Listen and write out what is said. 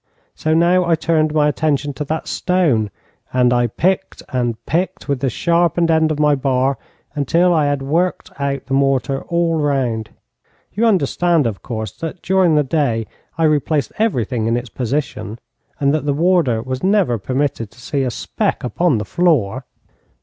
So now I turned my attention to that stone, and I picked and picked with the sharpened end of my bar until I had worked out the mortar all round. You understand, of course, that during the day I replaced everything in its position, and that the warder was never permitted to see a speck upon the floor.